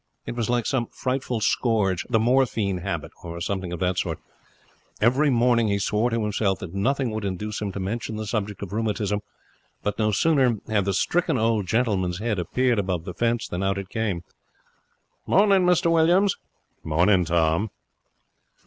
It was like some frightful scourge the morphine habit, or something of that sort. Every morning he swore to himself that nothing would induce him to mention the subject of rheumatism, but no sooner had the stricken old gentleman's head appeared above the fence than out it came. 'Morning, Mr Williams.' 'Morning, Tom.'